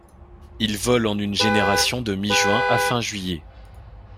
Il vole en une génération, de mi-juin à fin juillet.